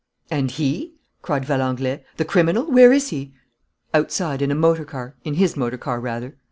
"And he?" cried Valenglay. "The criminal? Where is he?" "Outside, in a motor car, in his motor car, rather."